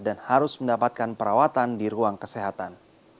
dan harus mendapatkan perawatan di ruang kesehatan